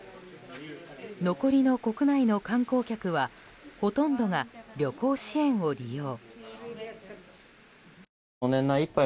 残りの国内の観光客はほとんどが、旅行支援を利用。